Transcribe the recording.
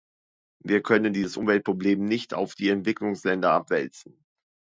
Wir können dieses Umweltproblem nicht auf die Entwicklungsländer abwälzen.